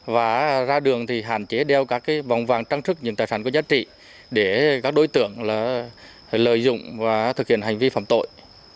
và ra đường thì hạn chế đeo các vòng vàng trang sức những tài sản có giá trị để các đối tượng lợi dụng và thực hiện hành vi phạm tội